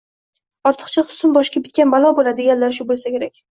Ortiqcha husn boshga bitgan balo bo’ladi, deganlari shu bo’lsa kerak.